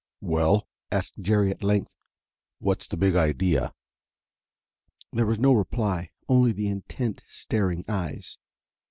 "Well," asked Jerry, at length, "what's the big idea?" There was no reply. Only the intent, staring eyes.